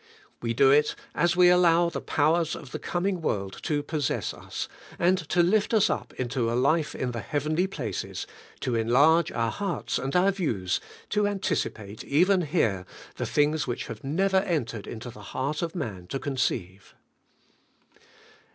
We do it as we allow the powers of the coming world to possess us, and to lift us up into a life in the heavenly places, to enlarge our hearts and our views, to anticipate, even here, the things which have never entered into the heart of man to conceive.